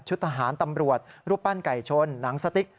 ทหารตำรวจรูปปั้นไก่ชนหนังสติ๊ก